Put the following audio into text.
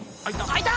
開いた！